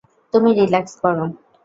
তুমি রিল্যাক্স করো।